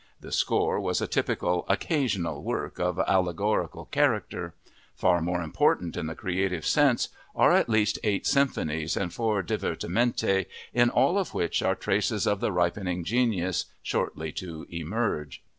The score was a typical "occasional work" of allegorical character. Far more important in the creative sense are at least eight symphonies and four divertimenti, in all of which are traces of the ripening genius shortly to emerge.